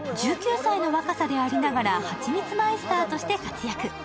１９歳の若さでありながらはちみつマイスターとして活躍。